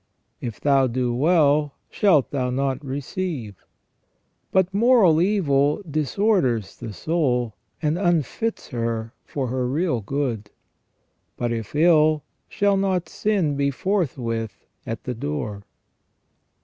*' If thou do well, shalt thou 196 ON JUSTICE AND MORAL EVIL. not receive ?" But moral evil disorders the soul, and unfits her for her real good. " But if ill, shall not sin be forthwith at the door